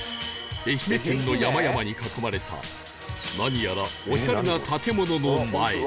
愛媛県の山々に囲まれた何やらオシャレな建物の前に